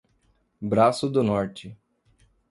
Braço do Norte